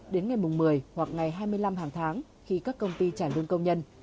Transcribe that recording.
đến ngày một mươi hoặc ngày hai mươi năm hàng tháng khi các công ty trả lương công nhân